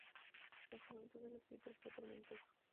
La juventud del escritor fue tormentosa.